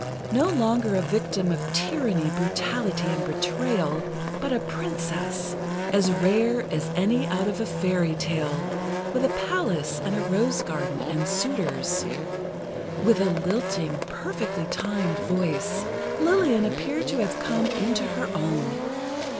No longer a victim of tyranny, brutality and betrayal, but a Princess, as rare as any out of a fairy tale, with a palace and a rose garden and suitors, with a lilting, perfectly timed voice, Lillian appeared to have come into her own.